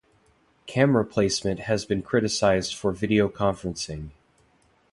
Camera placement has been criticized for video conferencing.